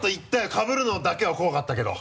かぶるのだけは怖かったけど。